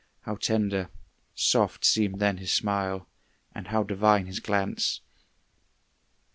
How tender, soft Seemed then his smile, and how divine his glance!